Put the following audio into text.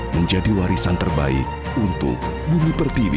menjadi warisan terbaik untuk bumi pertiwi